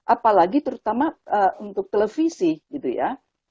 apalagi terutama untuk televisi gitu ya